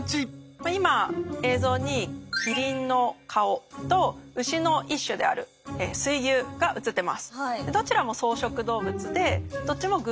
今映像にキリンの顔とウシの一種である水牛が映ってます。